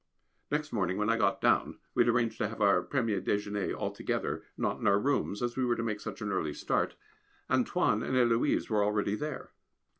Next morning when I got down we had arranged to have our premier déjeûner all together, not in our rooms, as we were to make such an early start "Antoine" and Héloise were already there.